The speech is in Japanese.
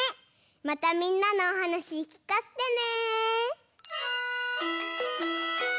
またみんなのおはなしきかせてね。